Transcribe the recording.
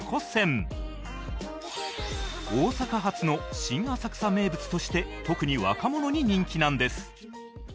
大阪発の新浅草名物として特に若者に人気なんです